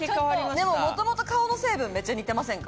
でも元々顔の成分めっちゃ似てませんか？